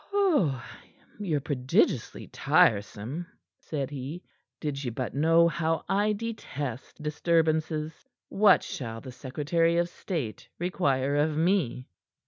"Ye're prodigiously tiresome," said he, "did ye but know how I detest disturbances. What shall the secretary of state require of me?"